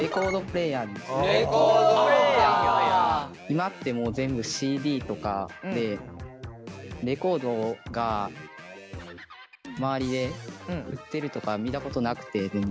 今ってもう全部ＣＤとかでレコードが周りで売ってるとか見たことなくて全然。